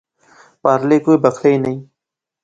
پارلے کوئی بکھلے نئیں